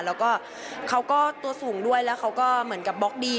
แล้วก็เขาก็ตัวสูงด้วยแล้วเขาก็เหมือนกับบล็อกดี